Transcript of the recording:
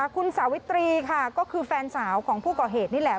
คุณสาวิตรีค่ะก็คือแฟนสาวของผู้ก่อเหตุนี่แหละ